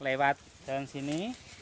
lewat ke sini